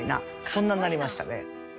そんなんなりましたね」